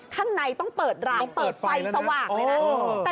ข้างในต้องเปิดร้านเปิดไฟสว่างเลยนะ